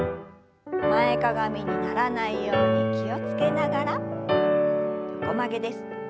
前かがみにならないように気を付けながら横曲げです。